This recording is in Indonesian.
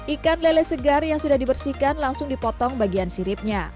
ikan lele segar yang sudah dibersihkan langsung dipotong bagian siripnya